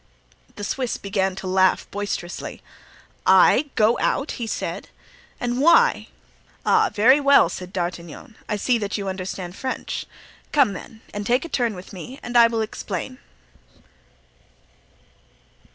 The Swiss began to laugh boisterously. "I go out?" he said. "And why?" "Ah, very well!" said D'Artagnan; "I see that you understand French. Come then, and take a turn with me and I will explain."